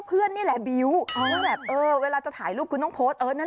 เพื่อนต้องหวัดบิ้วคุณต้องโพสต์วินเทจนั้น